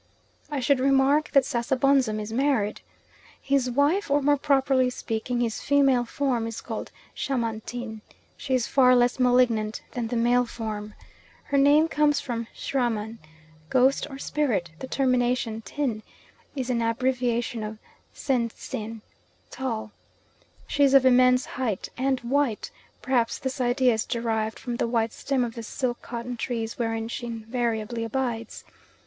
I should remark that Sasabonsum is married. His wife, or more properly speaking his female form, is called Shamantin. She is far less malignant than the male form. Her name comes from Srahman ghost or spirit; the termination "tin" is an abbreviation of sintstin tall. She is of immense height, and white; perhaps this idea is derived from the white stem of the silk cotton trees wherein she invariably abides.